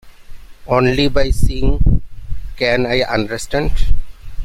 Only by seeing can I understand.